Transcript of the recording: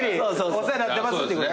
お世話なってますってこと。